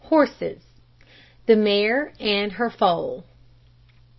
HORSES. THE MARE AND HER FOAL.